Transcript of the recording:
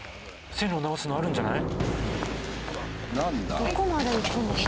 線路を直すのあるんじゃない？